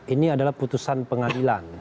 ini adalah putusan pengadilan